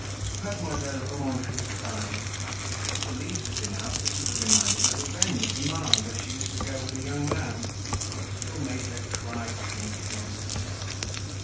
Mademoiselle Remanjou sighed; if the leaves had been out this would have reminded her of a bend of the Marne where she used to go with a young man. It still made her cry to think of him.